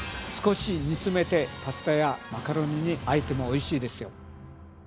少し煮詰めてパスタやマカロニにあえてもおいしいですよ。